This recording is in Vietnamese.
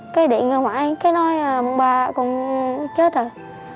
cái điện cho mẹ cái nói là mẹ con chết rồi